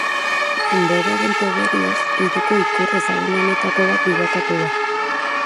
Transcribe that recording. Denboraren poderioz hiriko ikur ezagunenetako bat bilakatu da.